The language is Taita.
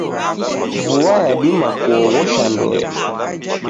Vua yadima kuoghosha ndoe.